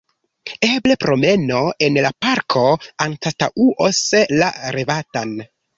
Eble promeno en la parko anstataŭos la revatan.